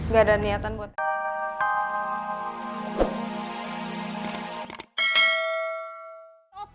ga ada niatan buat